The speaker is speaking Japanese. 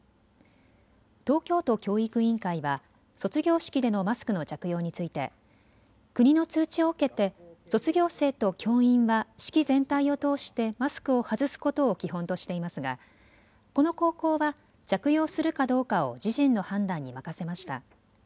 東京都教育委員会は卒業式でのマスクの着用について国の通知を受けて卒業生と教員は式全体を通してマスクを外すことを基本としていますがこの高校は着用するかどうかを自身の判断に任せました。